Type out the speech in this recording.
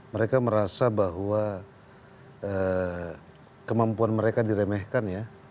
mereka merasa bahwa kemampuan mereka diremehkan ya